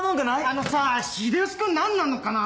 あのさぁ秀吉君何なのかな